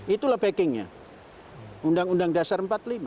itulah pekingnya undang undang dasar seribu sembilan ratus empat puluh lima